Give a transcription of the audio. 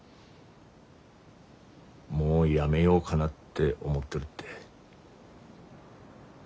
もうやめようがなって思ってるって。